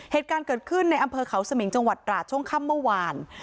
เหตุการณ์เกิดขึ้นในอำเภอเขาสมิงจังหวัดตราดช่วงค่ำเมื่อวาน